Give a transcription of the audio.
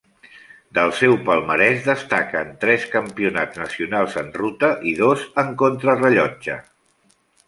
Del seu palmarès destaquen tres Campionats nacionals en ruta i dos en contrarellotge.